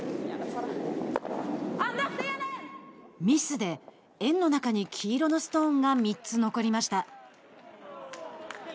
ミスで円の中に黄色のストーンが３つ残りました。